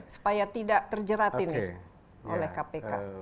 supaya tidak terjerat ini oleh kpk